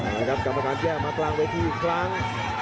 เอาละครับกรรมการแยกมากลางเวทีอีกครั้ง